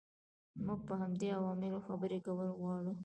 موږ په همدې عواملو خبرې کول غواړو.